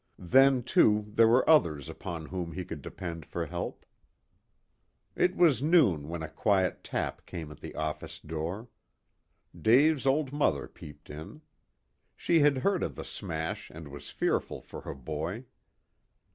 Then, too, there were others upon whom he could depend for help. It was noon when a quiet tap came at the office door. Dave's old mother peeped in. She had heard of the smash and was fearful for her boy.